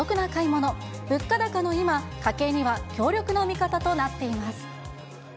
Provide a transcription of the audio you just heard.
物価高の今、家計には強力な味方となっています。